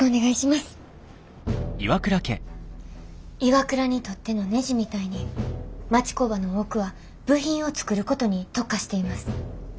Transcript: ＩＷＡＫＵＲＡにとってのねじみたいに町工場の多くは部品を作ることに特化しています。